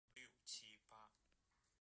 镇治索尔多特纳。